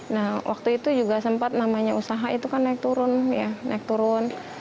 nah waktu itu juga sempat namanya usaha itu kan naik turun